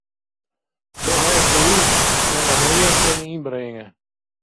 Do hast gelyk, ik kin der neat tsjin ynbringe.